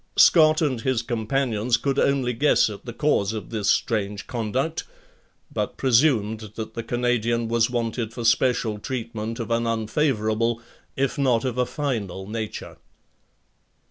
Scott and his companions could only guess at the cause of this strange conduct, but presumed that the Canadian was wanted for special treatment of an unfavorable, if not of a final nature.